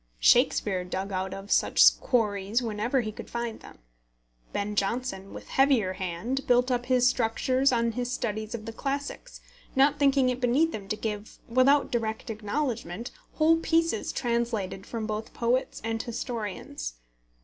Shakespeare dug out of such quarries wherever he could find them. Ben Jonson, with heavier hand, built up his structures on his studies of the classics, not thinking it beneath him to give, without direct acknowledgment, whole pieces translated both from poets and historians.